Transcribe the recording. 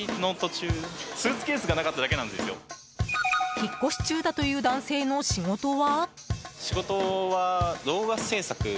引っ越し中だという男性の仕事は？